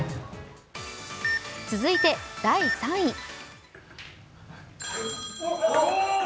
続いて第３位。